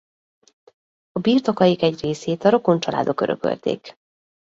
A birtokaik egy részét a rokon családok örökölték.